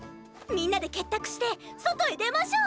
みんなで結託して外へ出ましょう。